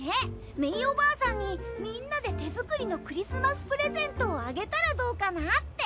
メイおばあさんにみんなで手作りのクリスマスプレゼントをあげたらどうかなって。